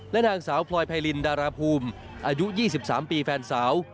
และนางสาวพลอยไพรินดาราภูมิอายุ๒๓ปีแฟนสาว